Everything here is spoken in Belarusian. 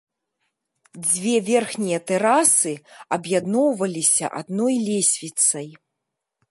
Дзве верхнія тэрасы аб'ядноўваліся адной лесвіцай.